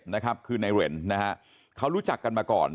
เชื่อด้วยนายเรนว่ารู้จักกันมาก่อน